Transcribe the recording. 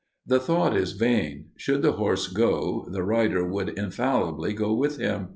The thought is vain; should the horse go, the rider would infallibly go with him.